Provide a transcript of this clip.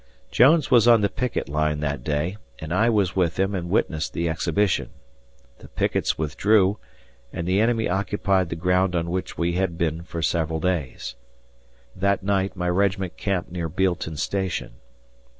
Jones was on the picket line that day, and I was with him and witnessed the exhibition. The pickets withdrew, and the enemy occupied the ground on which we had been for several days. That night my regiment camped near Bealeton Station.